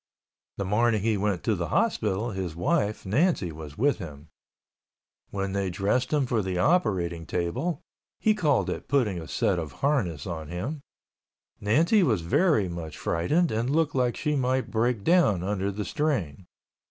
The morning he went to the hospital his wife, Nancy, was with him. When they dressed him for the operating table (he called it putting a set of harness on him) Nancy was very much frightened and looked like she might break down under the strain.